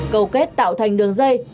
cầu kết tạo thành đường dây